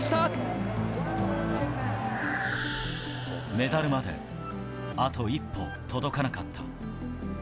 メダルまであと一歩、届かなかった。